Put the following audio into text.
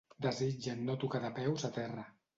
Desitgen no tocar de peus a terra.